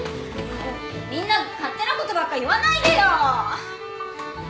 みんな勝手な事ばっか言わないでよ！